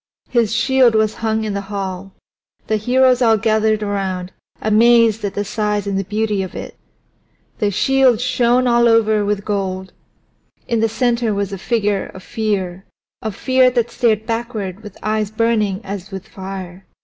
His shield was hung in the hall; the heroes all gathered around, amazed at the size and the beauty of it. The shield shone all over with gold. In its center was the figure of Fear of Fear that stared backward with eyes burning as with fire.